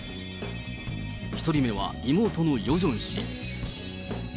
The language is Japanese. １人目は妹のヨジョン氏。